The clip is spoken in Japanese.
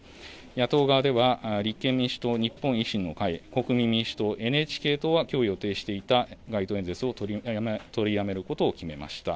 野党側では、立憲民主党、日本維新の会、国民民主党、ＮＨＫ党はきょう予定していた街頭演説を取りやめることを決めました。